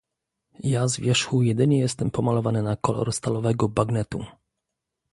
"Ja z wierzchu jedynie jestem pomalowany na kolor stalowego bagnetu."